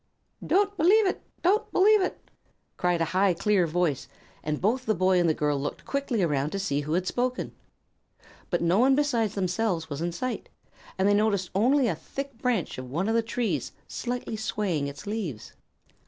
"Don't believe it! Don't believe it!" cried a high, clear voice, and both the boy and the girl looked quickly around to see who had spoken. But no one besides themselves was in sight, and they only noticed a thick branch of one of the trees slightly swaying its leaves.